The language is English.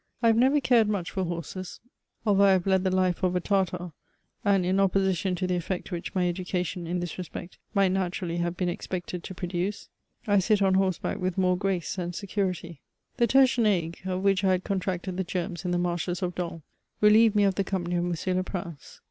I have never cared much for horses, although I have led the life of i CHATEAUBRIAND. 101 a Tartar ; and, in oppogition to the effect which my education, in this respect, might naturally have heen expected to produce, I sit on horseback with more grace than security. The tertian ague, of which I had contracted the germs in the marshes of Dol, reliered me of the company of M. Leprinoe.